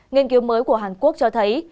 nghiên cứu mới của hàn quốc cho thấy